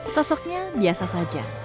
sosoknya biasa saja